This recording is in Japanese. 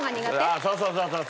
あっそうそうそうそう。